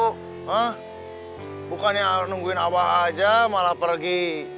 hah bukannya nungguin abah aja malah pergi